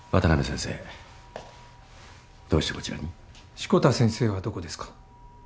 志子田先生はどこですか？